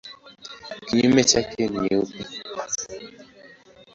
Kinyume chake ni nyeupe.